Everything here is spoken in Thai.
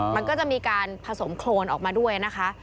มันก็จะมีการผสมโครนออกมาด้วยนะคะ